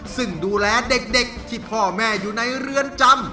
ซึ่งดูแลเด็กที่พ่อแม่อยู่ในเรือนจำ